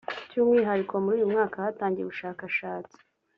byu umwihariko muri uyu mwaka hatangiye ubushakashatsi